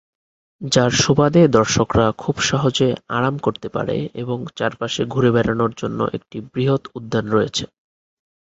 যার সুবাদে দর্শকরা খুব সহজে আরাম করতে পারে এবং চারপাশে ঘুরে বেড়ানোর জন্য একটি বৃহৎ উদ্যান রয়েছে।